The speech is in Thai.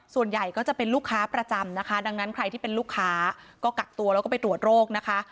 ส่วนใหญ่ก็จะเป็นลูกค้าประจำนะคะดังนั้นใครที่เป็นลูกค้าก็กักตัวแล้วก็ไปตรวจโรคนะคะ